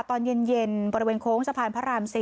ตอนเย็นบริเวณโค้งสะพานพระราม๔